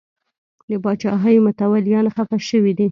د پاچاهۍ متولیان خفه شوي دي.